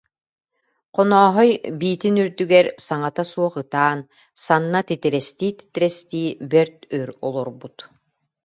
Хонооһой биитин үрдүгэр саҥата суох ытаан, санна титирэстии-титирэстии, бэрт өр олорбут